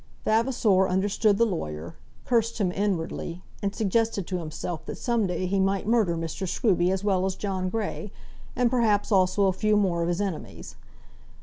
Vavasor understood the lawyer, cursed him inwardly, and suggested to himself that some day he might murder Mr. Scruby as well as John Grey, and perhaps also a few more of his enemies.